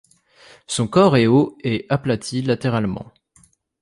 Son corps est haut et aplati latéralement.